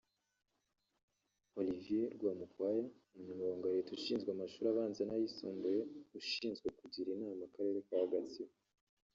Olivier Rwamukwaya Umunyamabanga wa leta ushinzwe amashuri abanza n’ ayisumbuye ushinzwe kugira inama akarere ka Gatsibo